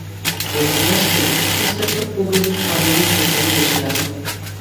Одеднаш ќе го спуштевте погледот надолу и сѐ ќе ви беше јасно.